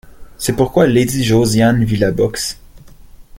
C’est pourquoi lady Josiane vit la boxe.